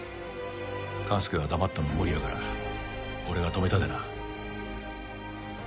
勘介は黙っとるの無理やから俺が止めたでな。